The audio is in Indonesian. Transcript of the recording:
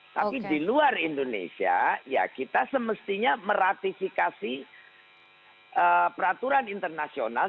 tapi di luar indonesia ya kita semestinya meratifikasi peraturan internasional